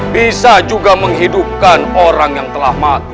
bisa juga menghidupkan orang yang telah mati